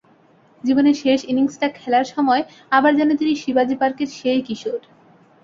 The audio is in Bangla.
জীবনের শেষ ইনিংসটা খেলার সময় আবার যেন তিনি শিবাজি পার্কের সেই কিশোর।